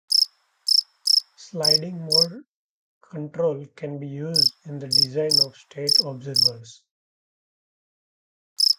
Sliding mode control can be used in the design of state observers.